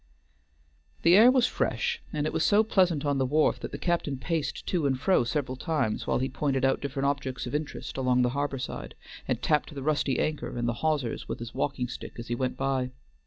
The air was fresh, and it was so pleasant on the wharf that the captain paced to and fro several times, while he pointed out different objects of interest along the harbor side, and tapped the rusty anchor and the hawsers with his walking stick as he went by.